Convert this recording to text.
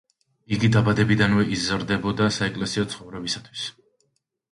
იგი დაბადებიდანვე იზრდებოდა საეკლესიო ცხოვრებისათვის.